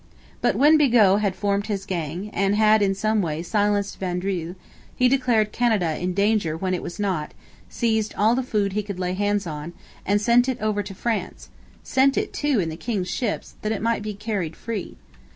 But when Bigot had formed his gang, and had, in some way, silenced Vaudreuil, he declared Canada in danger when it was not, seized all the food he could lay hands on, and sent it over to France; sent it, too, in the king's ships, that it might be carried free.